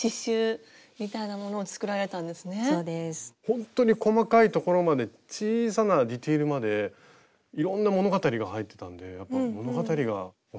ほんとに細かいところまで小さなディテールまでいろんな物語が入ってたんでやっぱ物語がお好きなんですね。